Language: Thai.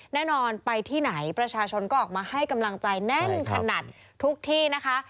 แน่นอนไปที่ไหนประชาชนก็ออกมาให้กำลังใจแน่นขนาดทุกที่นะคะ